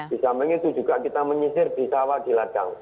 di samping itu juga kita menyisir di sawah di ladang